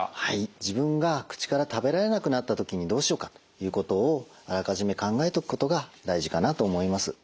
自分が口から食べられなくなった時にどうしようかということをあらかじめ考えておくことが大事かなと思います。